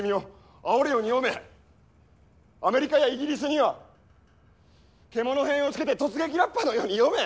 アメリカやイギリスには獣偏をつけて突撃ラッパのように読め？